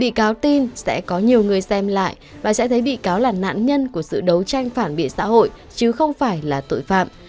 bị cáo tin sẽ có nhiều người xem lại và sẽ thấy bị cáo là nạn nhân của sự đấu tranh phản biện xã hội chứ không phải là tội phạm